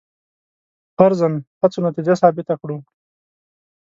فرضاً هڅو نتیجه ثابته کړو.